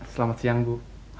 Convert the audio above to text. selamat siang bu